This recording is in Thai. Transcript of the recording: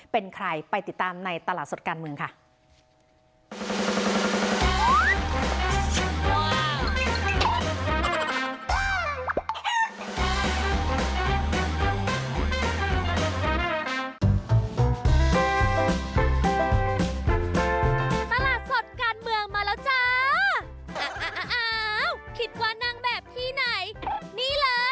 เป็นใครไปติดตามในตลาดสดการเมืองค่ะ